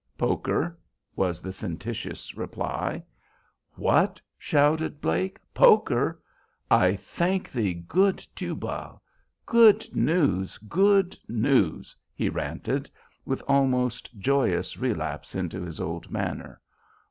"Poker," was the sententious reply. "What?" shouted Blake. "Poker? 'I thank thee, good Tubal, good news, good news!'" he ranted, with almost joyous relapse into his old manner.